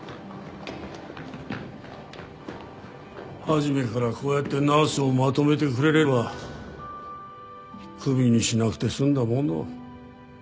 初めからこうやってナースをまとめてくれればクビにしなくて済んだものを。